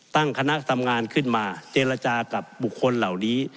ตั้งคณะทำงานขึ้นมาเจรจากับบุคคลเหล่านี้